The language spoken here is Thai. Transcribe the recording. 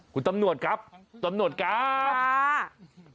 คุณตำรวจครับตำรวจครับ